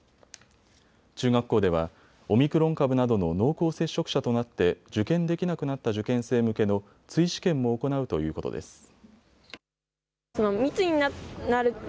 中学校ではオミクロン株などの濃厚接触者となって受験できなくなった受験生向けの追試験も行うということです。